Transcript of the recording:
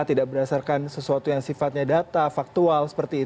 tidak berdasarkan sesuatu yang sifatnya data faktual seperti itu